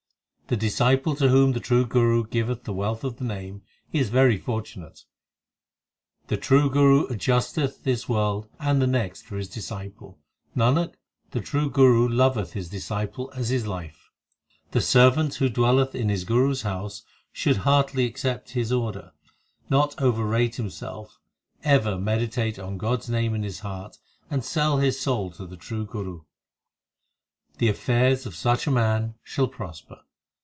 The disciple to whom the true Guru giveth the wealth of the Name, Is very fortunate. The true Guru adjusteth this world and the next for his disciple. Nanak, the true Guru loveth his disciple as his life. 2 The servant who dwelleth in his Guru s house, Should heartily accept his order, Not overrate himself, Ever meditate on God s name in his heart, And sell his soul to the true Guru The affairs of such a man shall prosper.